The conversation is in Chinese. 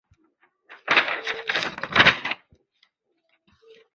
现效力于新加坡职业足球联赛球队淡滨尼流浪。